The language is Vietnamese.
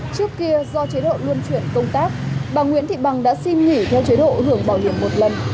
trước kia do chế độ luân chuyển công tác bà nguyễn thị bằng đã xin nghỉ theo chế độ hưởng bảo hiểm một lần